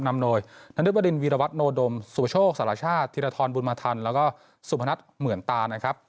นำโดยนันตุประดิษฐ์วีรวัตนโนโดมสุโชคสหราชาติธิรธรรมบุญมาธรรมแล้วก็สุพนัทเหมือนตานะครับ